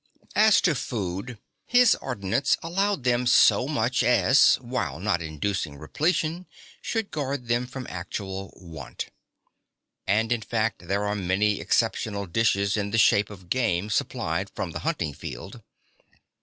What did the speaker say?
As to food, (3) his ordinance allowed them so much as, while not inducing repletion, should guard them from actual want. And, in fact, there are many exceptional (4) dishes in the shape of game supplied from the hunting field.